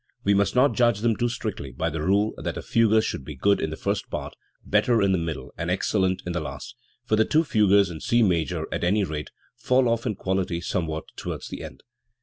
We must not judge them too strictly by the rule that a fugue should be good in the first part, better in the middle, and ex cellent in the last, for the two fugues in C major, at any rate, fall off in quality somewhat towards the end.